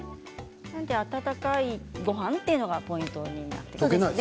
温かいごはんというのがポイントになりますね。